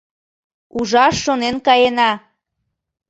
Ужаш шонен каена.